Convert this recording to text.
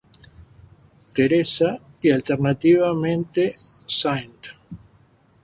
Theresa" y alternativamente "St.